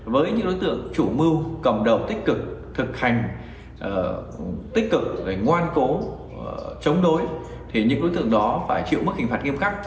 với những đối tượng chủ mưu cầm đầu tích cực thực hành tích cực ngoan cố chống đối thì những đối tượng đó phải chịu mức hình phạt nghiêm khắc